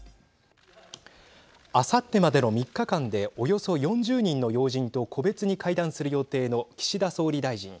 あさってまでの３日間でおよそ４０人の要人と個別に会談する予定の岸田総理大臣。